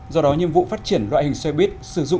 do đó nhiệm vụ phát triển loại hình xoay bít sử dụng như này